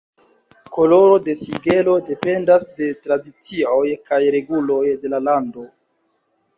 Koloro de sigelo dependas de tradicioj kaj reguloj de la lando.